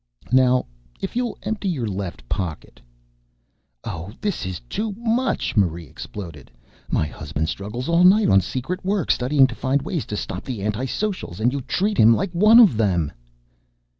"Now if you'll empty your left pocket ""Oh, this is too much!" Marie exploded. "My husband struggles all night on secret work, studying to find ways to stop the anti socials, and you treat him like one of them!"